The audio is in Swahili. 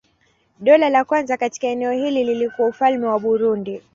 Dola la kwanza katika eneo hili lilikuwa Ufalme wa Burundi.